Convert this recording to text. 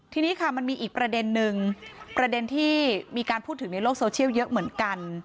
ทีนี้ค่ะมันมีอีกประเด็นนึงประเด็นที่มีการพูดถึงในโลกโซเชียลเยอะเหมือนกัน